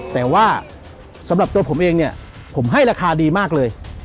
แต่ว่าสำหรับตัวผมเองเนี่ยผมให้ราคาดีมากเลย